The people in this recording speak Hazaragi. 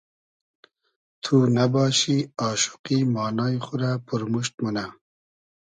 تو نئباشی آشوقی مانای خو رۂ پورموشت مونۂ